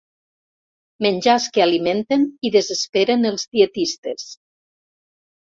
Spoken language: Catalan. Menjars que alimenten i desesperen els dietistes.